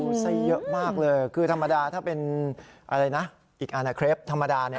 ไส้เยอะมากเลยคือธรรมดาถ้าเป็นอะไรนะอีกอานาเครปธรรมดาเนี่ย